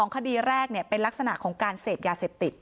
คดีแรกเป็นลักษณะของการเสพยาเสพติด